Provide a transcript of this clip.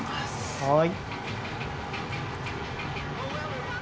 はい。